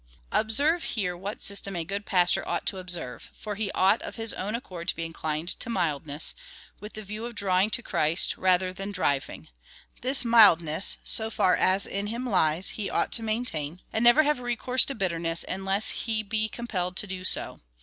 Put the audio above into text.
Observe here what system a good pastor ought to obser\'e ; for he ought of his own accord to be inclined to mildness, with the view of drawing to Christ, rather than driA'ing. This mildness, so far as in him lies, he ought to maintain, and never have recourse to bitterness, unless he be com pelled to do so.